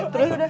terus yuk dah